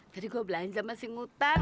tadi gue belanja masih ngutang